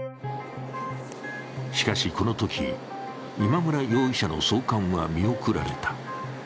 しかしこのとき、今村容疑者の送還は見送られた。